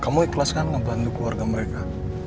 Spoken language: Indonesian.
kamu ikhlas kan ngebantu keluarga mereka